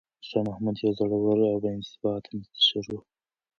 شاه محمود یو زړور او با انضباطه مشر و.